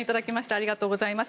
ありがとうございます。